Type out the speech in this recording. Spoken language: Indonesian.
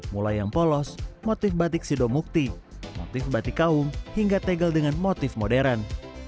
mulai yang polos motif batik sidomukti motif batik kaum hingga tegel dengan motif modern